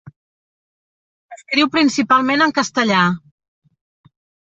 Escriu principalment en castellà.